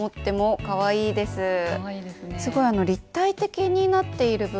立体的になっている分